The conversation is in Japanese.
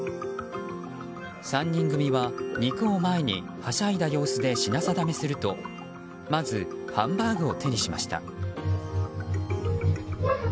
３人組は、肉を前にはしゃいだ様子で品定めするとまず、ハンバーグを手にしました。